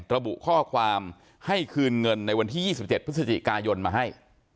ระบุข้อความให้คืนเงินในวันที่๒๗พฤศจิกายนมาให้